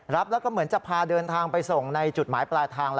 รับแล้วก็เหมือนจะพาเดินทางไปส่งในจุดหมายปลายทาง